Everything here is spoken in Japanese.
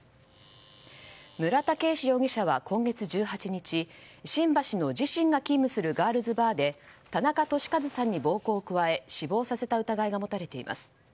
村田圭司容疑者は今月１８日新橋の自身が勤務するガールズバーで田中寿和さんに暴行を加え死亡させた疑いが持たれています。